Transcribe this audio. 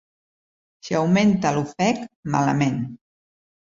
Si augmenta l’ofec, malament.